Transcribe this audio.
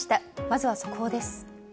まずは速報です。